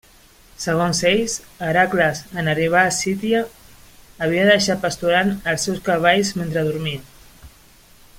Segons ells, Hèracles, en arribar a Escítia, havia deixat pasturant els seus cavalls mentre dormia.